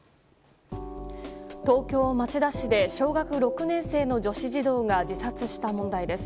東京・町田市で小学６年生の女子児童が自殺した問題です。